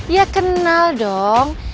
ya kenal dong